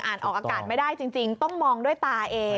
ออกอากาศไม่ได้จริงต้องมองด้วยตาเอง